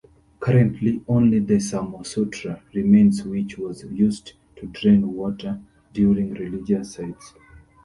Currently, only the "somasutra" remains which was used to drain water during religious rites.